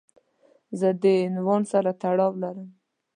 زه د عنوان سره تړاو لرم.